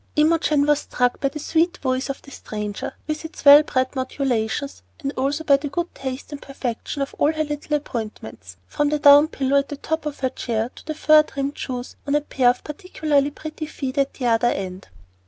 Imogen was struck by the sweet voice of the stranger, with its well bred modulations, and also by the good taste and perfection of all her little appointments, from the down pillow at top of her chair to the fur trimmed shoes on a pair of particularly pretty feet at the other end.